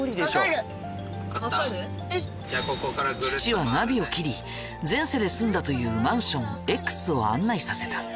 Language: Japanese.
父はナビを切り前世で住んだというマンションＸを案内させた。